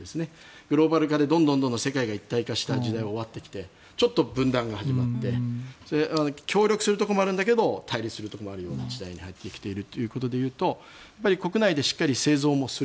グローバル化でどんどん世界が一体化した時代が終わってきてちょっと分断化が始まって協力するところもあるけど対立するところもある時代に入ってきているというと国内でしっかり製造もする。